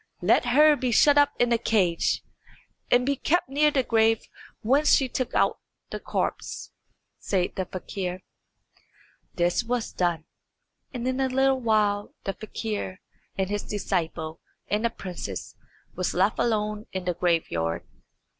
"Let her be shut up in a cage, and be kept near the grave whence she took out the corpse," said the fakir. This was done, and in a little while the fakir and his disciple and the princess were left alone in the graveyard.